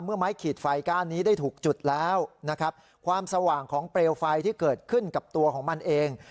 ไม้ขีดไฟก้านนี้ได้ถูกจุดแล้วนะครับความสว่างของเปลวไฟที่เกิดขึ้นกับตัวของมันเอง